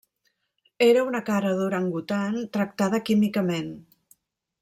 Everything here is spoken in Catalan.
Era una cara d'orangutan tractada químicament.